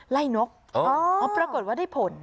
ไล่นกอ๋อปรากฏว่าได้ผล